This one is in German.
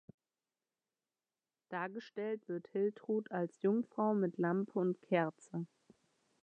Dargestellt wird Hiltrud als Jungfrau mit Lampe und Kerze.